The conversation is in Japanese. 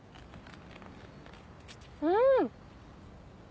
うん！